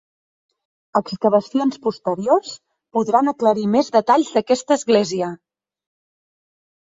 Excavacions posteriors podran aclarir més detalls d'aquesta església.